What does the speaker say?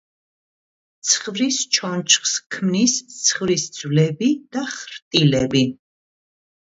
ცხვირის ჩონჩხს ქმნის ცხვირის ძვლები და ხრტილები.